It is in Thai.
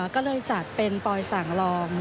ก็เลยจัดเป็นปลอยสั่งลอง